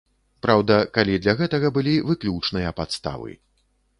Праўда, калі для гэтага былі выключныя падставы.